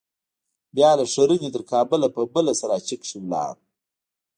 بيا له ښرنې تر کابله په بله سراچه کښې ولاړو.